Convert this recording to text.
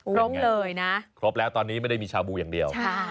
ครบเลยนะครบแล้วตอนนี้ไม่ได้มีชาบูอย่างเดียว